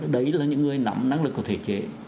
đấy là những người nắm năng lực của thể chế